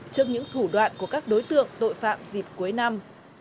trước những thủ đoạn của các đối tượng tội phạm dịp cuối năm